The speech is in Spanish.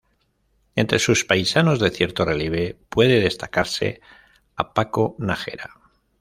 Entre sus paisanos de cierto relieve, puede destacarse a Paco Nájera.